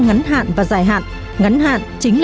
ngắn hạn và dài hạn ngắn hạn